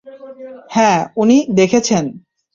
হ্যাঁ, উনি দেখেছেন!